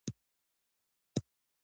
آیا موږ د نظر حق نلرو؟